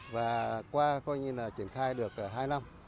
và qua triển khai được hai năm